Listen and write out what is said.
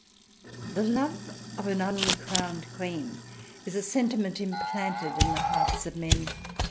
The love of an uncrowned Queen is a sentiment implanted in the hearts of men.